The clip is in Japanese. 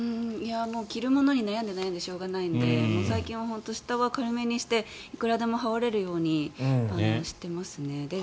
着るものに悩んで悩んでしょうがないんで最近は本当に下は軽めにしていくらでも羽織れるようにしていますね。